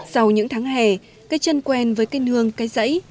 sau những tháng hè cây chân quen với cây nương cây rẫy